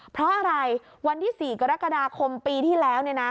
เพราะอะไรวันที่๔กรกฎาคมปีที่แล้ว